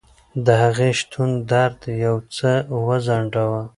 د هغې شتون درد یو څه وځنډاوه.